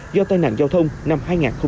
do tai nạn giao thông năm hai nghìn hai mươi